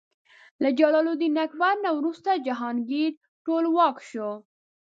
له جلال الدین اکبر نه وروسته جهانګیر ټولواک شو.